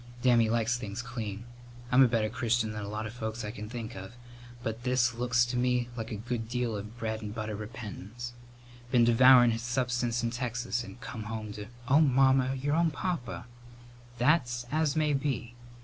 Dammy likes things clean. I'm a better Christian than a lot of folks I can think of, but this looks to me like a good deal of a bread and butter repentance. Been devourin' his substance in Texas and come home to " "Oh, Mamma, your own papa!" "That's as may be.